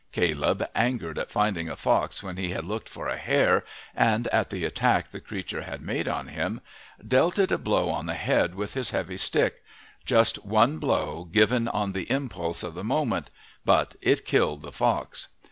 Caleb, angered at finding a fox when he had looked for a hare, and at the attack the creature had made on him, dealt it a blow on the head with his heavy stick just one blow given on the impulse of the moment, but it killed the fox!